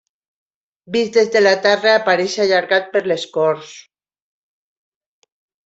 Vist des de la Terra apareix allargat per l'escorç.